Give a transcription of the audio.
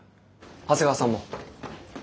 長谷川さんも。